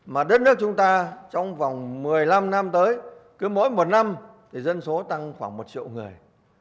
mà đất nước chúng ta trong vòng một mươi năm năm tới cứ mỗi một năm thì dân số tăng khoảng một triệu người